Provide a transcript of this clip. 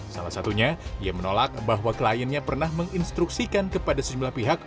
salah satunya ia menolak bahwa kliennya pernah menginstruksikan kepada sejumlah pihak